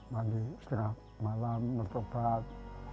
mandi setengah malam mertobat